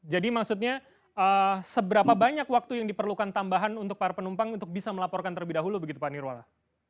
jadi maksudnya seberapa banyak waktu yang diperlukan tambahan untuk para penumpang untuk bisa melaporkan terlebih dahulu begitu pak nirwala